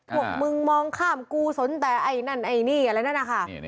โถงมึงมองข้ามกูสนแต่ไอนานไอนี่ก็ยังไงอะไรแน่ครับ